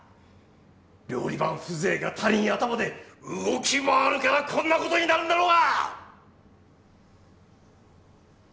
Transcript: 料理番風情が足りん頭で動き回るからこんなことになるんだろうが！